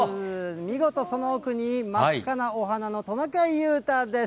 見事、その奥に真っ赤なお鼻のトナカイ裕太です。